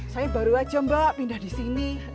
saya baru aja mbak pindah disini